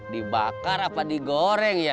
dibakar apa di goreng ya